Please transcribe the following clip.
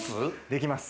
できます。